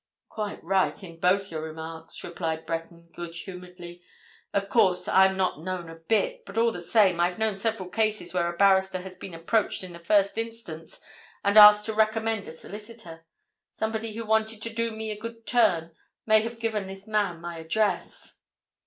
"Quite right—in both your remarks," replied Breton, good humouredly. "Of course, I'm not known a bit, but all the same I've known several cases where a barrister has been approached in the first instance and asked to recommend a solicitor. Somebody who wanted to do me a good turn may have given this man my address."